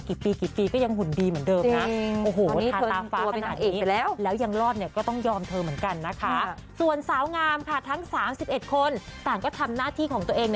น้องนะเนี่ยสักปีซ์อ่ะกินก็คนดีมันเดิมแล้วแต่อย่างรอดเนี่ยคระก็ต้องยอมทึ่งเหมือนกันส่วนสาวงามค่ะทั้ง๓๑คนต่างก็ทำหน้าที่ของตัวเอง